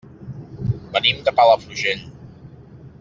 Venim de Palafrugell.